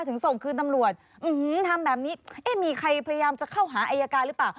ถึงส่งคืนตำรวจทำแบบนี้เอ๊ะมีใครพยายามจะเข้าหาอายการหรือเปล่า